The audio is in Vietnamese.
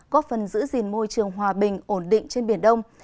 góp phần giữ gìn môi trường hòa bình ổn định trên biển đông